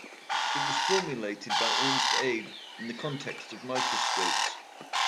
It was formulated by Ernst Abbe in the context of microscopes.